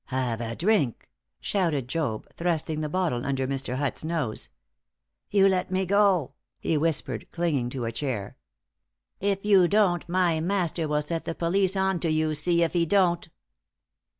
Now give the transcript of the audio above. "Have a drink," shouted Job, thrusting the bottle under Mr. Hutt's nose. "You let me go," he whispered, clinging to a chair. "If you don't, my master will set the police on to you see if he don't."